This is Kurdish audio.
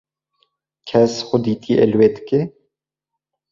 Kes xwedîtiyê li we dike?